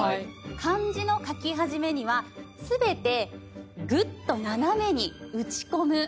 漢字の書き始めには全てぐっと斜めにうちこむ。